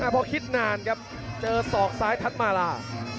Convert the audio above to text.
พอคิดนานครับเจอศอกซ้ายทัศมาลา